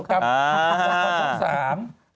ครับ